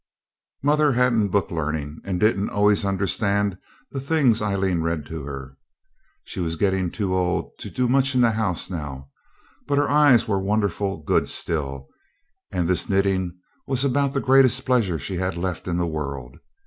Mother hadn't book learning, and didn't always understand the things Aileen read to her. She was getting too old to do much in the house now. But her eyes were wonderful good still, and this knitting was about the greatest pleasure she had left in the world.